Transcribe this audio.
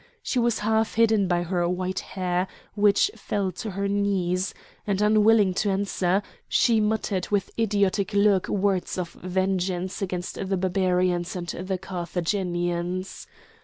She was half hidden by her white hair which fell to her knees; and unwilling to answer, she muttered with idiotic look words of vengeance against the Barbarians and the Carthaginians.